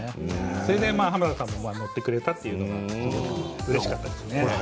それで浜田さんも乗ってくれたというところがうれしかったですね。